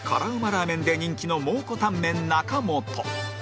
ラーメンで人気の蒙古タンメン中本